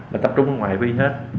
mình tập trung ở ngoại vi hết